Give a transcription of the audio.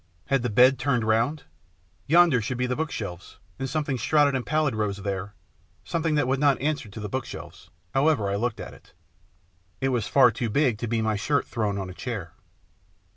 Had the bed turned round ? Yonder should be the bookshelves, and something shrouded and pallid rose there, something that would not answer to the bookshelves, however I looked at it. It was far too big to be my shirt thrown on a chair.